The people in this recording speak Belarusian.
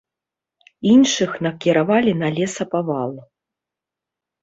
Іншых накіравалі на лесапавал.